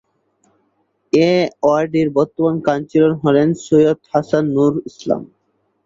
এ ওয়ার্ডের বর্তমান কাউন্সিলর হলেন সৈয়দ হাসান নুর ইসলাম।